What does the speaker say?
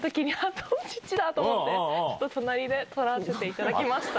隣で撮らせていただきました。